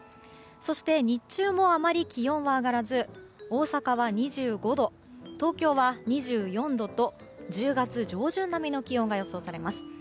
そして日中もあまり気温は上がらず大阪は２５度東京は２４度と１０月上旬並みの気温が予想されます。